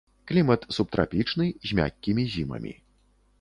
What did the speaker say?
Клімат субтрапічны з мяккімі зімамі.